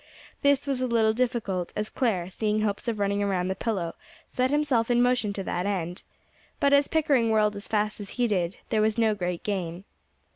This was a little difficult, as Clare, seeing hopes of running around the pillow, set himself in motion to that end. But as Pickering whirled as fast as he did, there was no great gain.